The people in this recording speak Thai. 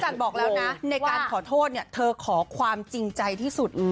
ตอนที่จักรจันบอกแล้วนะคำขอโทษเธอขอความจริงใจที่สุด